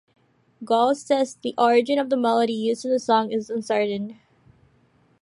Gaul says the origin of the melody used in the song is uncertain.